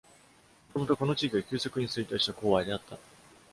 もともと、この地域は急速に衰退した「コーワイ」であった。